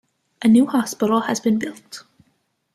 A new hospital has been built.